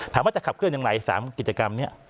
ว่าจะขับเคลื่อนอย่างไร๓กิจกรรมนี้